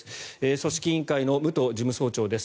組織委員会の武藤事務総長です。